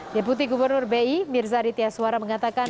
deputi gubernur bi mirzadi tiasuara mengatakan